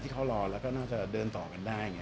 ที่เขารอแล้วก็น่าจะเดินต่อกันได้